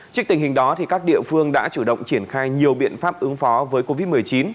trước tình hình đó các địa phương đã chủ động triển khai nhiều biện pháp ứng phó với covid một mươi chín